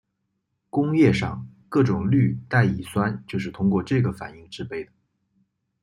工业上各种氯代乙酸就是通过这个反应制备的。